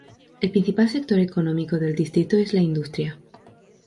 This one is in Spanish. El principal sector económico del distrito es la industria.